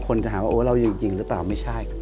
จะถามว่าโอ้เราอยู่จริงหรือเปล่าไม่ใช่